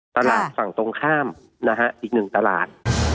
ตลาดฝั่งตรงข้ามนะฮะอีกหนึ่งตลาด